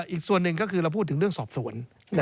อีกส่วนหนึ่งก็คือเราพูดถึงเรื่องสอบสวน